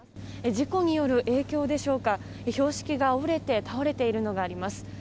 事故による影響でしょうか標識が折れて倒れているのがあります。